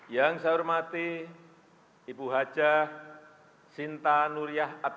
yang saya hormati ibu hajah sinta nuriyah abdul